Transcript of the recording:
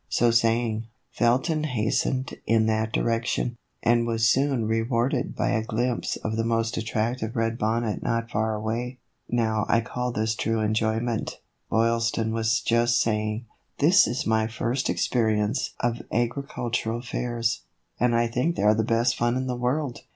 So saying, Felton hastened in that direction, and was soon rewarded by a glimpse of the most attractive red bonnet not far away. " Now I call this true enjoyment," Boylston was just saying. " This is my first experience of agri THE EVOLUTION OF A BONNET. 137 cultural fairs, and I think they are the best fun in the world."